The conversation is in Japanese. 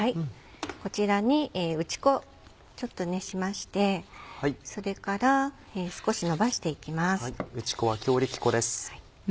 こちらに打ち粉ちょっとしましてそれから少しのばしていきます。